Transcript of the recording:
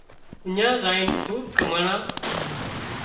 اڃين زائينَ کوٻ ڪماڻا